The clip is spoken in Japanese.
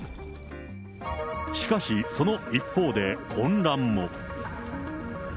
しかし、その一方で、混乱も。